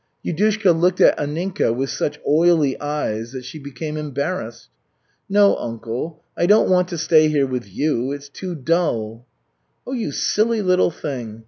Yudushka looked at Anninka with such oily eyes that she became embarrassed. "No, uncle, I don't want to stay here with you. It's too dull." "Oh, you silly little thing!